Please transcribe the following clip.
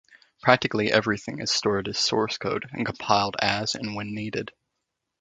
Practically everything is stored as source code and compiled as and when needed.